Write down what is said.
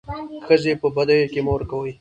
ښځي په بديو کي مه ورکوئ.